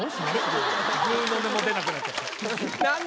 ぐうの音も出なくなっちゃった。